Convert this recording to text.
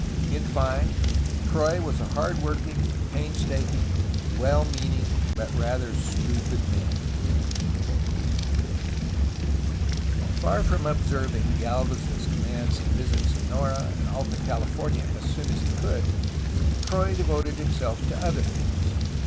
In fine, Croix was a hard working, painstaking, well meaning, but rather stupid Far from observing Gdlvez^s commands to visit Sonora and Alta California as soon as he could, Croix devoted him self to other things.